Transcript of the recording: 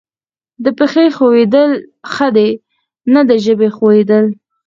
د پښې ښویېدل ښه دي نه د ژبې ښویېدل.